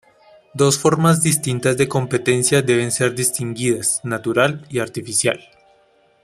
Dos formas distintas de competencia deben ser distinguidas: natural y artificial.